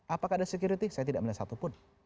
apakah ada security saya tidak melihat satupun